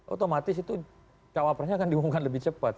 otomatis itu cawapresnya akan diumumkan lebih cepat